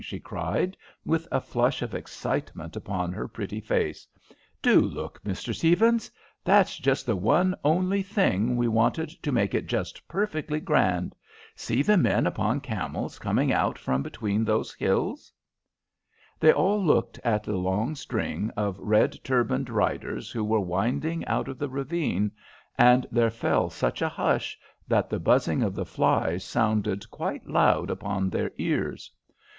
she cried, with a flush of excitement upon her pretty face. "Do look, Mr. Stephens! That's just the one only thing we wanted to make it just perfectly grand. See the men upon the camels coming out from between those hills!" [Illustration: Long string of red turbaned riders, Frontispiece p78] They all looked at the long string of red turbaned riders who were winding out of the ravine, and there fell such a hush that the buzzing of the flies sounded quite loud upon their ears.